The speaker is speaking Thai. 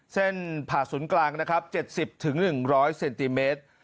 เส้นผ่าศูนย์กลางนะครับเจ็ดสิบถึงหนึ่งร้อยเซนติเมตร